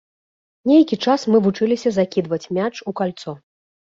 Нейкі час мы вучыліся закідваць мяч у кальцо.